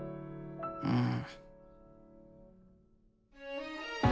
うん。